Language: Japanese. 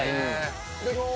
いただきます。